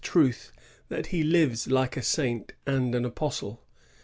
truth that he lives like a saint and an apostle."